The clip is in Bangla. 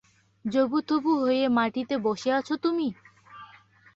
জবুথবু হয়ে মাটিতে বসে আছো তুমি?